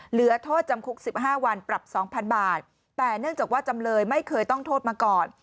เหลือโทษจำคุก๑๕วันปรับ๒๐๐บาทแต่เนื่องจากว่าจำเลยไม่เคยต้องโทษมาก่อน